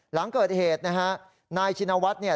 หลังเกิดเหตุนะฮะนายชินวัฒน์เนี่ย